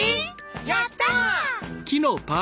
やった！